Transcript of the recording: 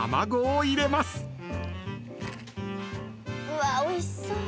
うわっおいしそう！